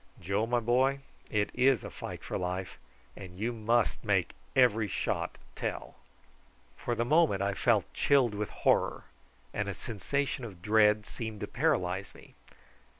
Joe, my boy, it is a fight for life, and you must make every shot tell." For the moment I felt chilled with horror; and a sensation of dread seemed to paralyse me.